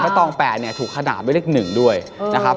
และตอง๘ถูกขนาดด้วยเลข๑ด้วย